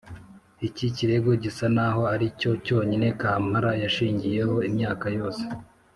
iki kirego gisa n’aho ari cyo cyonyine kampala yashingiyeho imyaka yose,